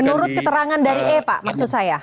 menurut keterangan dari e pak maksud saya